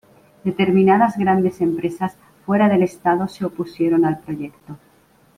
Determinadas grandes empresas fuera del estado se opusieron al proyecto.